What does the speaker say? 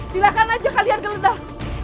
silahkan aja kalian geledah